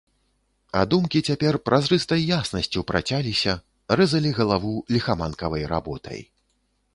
А думкі цяпер празрыстай яснасцю працяліся, рэзалі галаву ліхаманкавай работай.